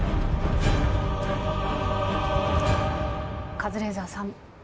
カズレーザーさん